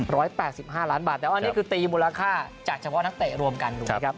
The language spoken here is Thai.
แปดสิบห้าล้านบาทแต่ว่าอันนี้คือตีมูลค่าจากเฉพาะนักเตะรวมกันถูกไหมครับ